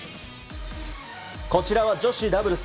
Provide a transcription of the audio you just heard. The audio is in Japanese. こちらは女子ダブルス。